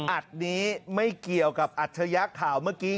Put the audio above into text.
อัดนี้ไม่เกี่ยวกับอัจฉริยะข่าวเมื่อกี้